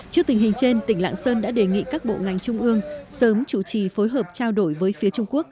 trước tình hình trên tỉnh lạng sơn đã đề nghị các bộ ngành trung ương sớm chủ trì phối hợp trao đổi với phía trung quốc